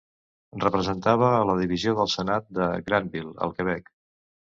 Representava a la divisió del Senat de Grandville, al Quebec.